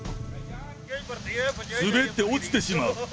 滑って落ちてしまう。